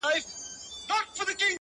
• پشي د خدای لپاره موږک نه نیسي -